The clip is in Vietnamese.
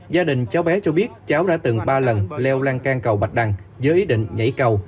gia đình cháu bé cho biết cháu đã từng ba lần leo lan can cầu bạch đằng dưới ý định nhảy cầu